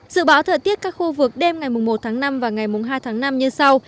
dự báo thời tiết các khu vực đêm ngày một tháng năm và ngày hai tháng năm như sau